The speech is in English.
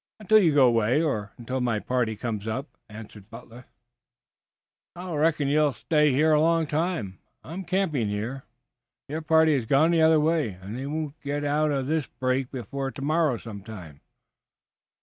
"Until you go away, or until my party comes up," answered Butler. "I reckon you'll stay here a long time, then. I am camping here. Your party has gone the other way and they won't get out to this brake before tomorrow some time."